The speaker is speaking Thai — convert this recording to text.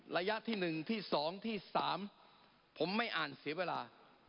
ระยะที่หนึ่งที่สองที่สามผมไม่อ่านเสียเวลา